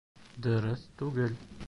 — Дөрөҫ түгел.